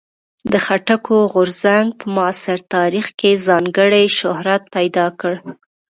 د خټکو غورځنګ په معاصر تاریخ کې ځانګړی شهرت پیدا کړ.